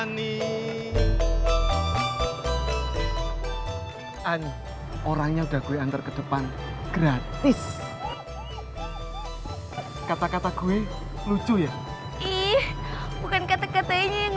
ani an orangnya udah gue antar ke depan gratis kata kata gue lucu ya ih bukan kata katanya yang